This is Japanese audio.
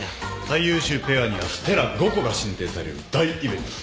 最優秀ペアには星５個が進呈される大イベントです。